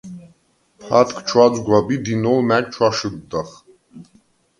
ფათქ ჩვაძგვაბ ი დინოლ მა̈გ ჩვაშჷდდახ.